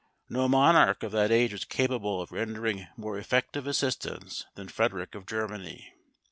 No monarch of that age was capable of rendering more effective assistance than Frederic of Germany.